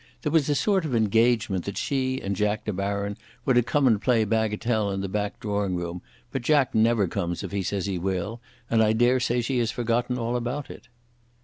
There was a sort of engagement that she and Jack De Baron were to come and play bagatelle in the back drawing room; but Jack never comes if he says he will, and I daresay she has forgotten all about it."